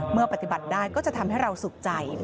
เมื่อปฏิบัติได้ก็จะทำให้เราสุขใจ